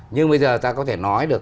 nhưng bây giờ ta có thể nói được